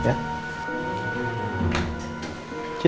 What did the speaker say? sini aku bantuin